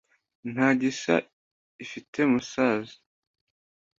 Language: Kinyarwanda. Nta gisa ifite Masasa